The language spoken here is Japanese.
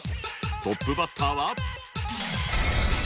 トップバッターは。